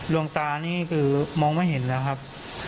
ดวงตานี่คือมองไม่เห็นแล้วครับ